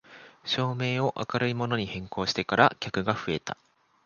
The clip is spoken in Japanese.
照明を明るいものに変更してから客が増えた